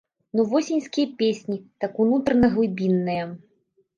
Ну восеньскія песні, так, унутрана-глыбінныя.